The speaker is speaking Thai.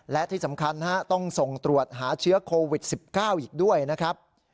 และที่สำคัญต้องส่งตรวจหาเชื้อโควิด๑๙อีกด้วยนะครับ